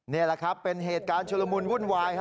นี่แหละครับเป็นเหตุการณ์ชุลมุนวุ่นวาย